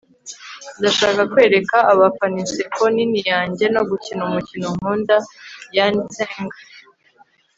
ndashaka kwereka abafana inseko nini yanjye no gukina umukino nkunda. - yani tseng